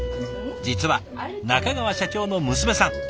実は中川社長の娘さん。